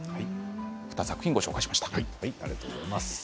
２作品ご紹介しました。